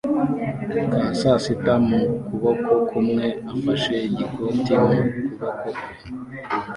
ka sasita mu kuboko kumwe afashe igitoki mu kuboko kwe